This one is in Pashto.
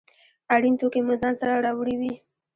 اړین توکي مو ځان سره راوړي وي.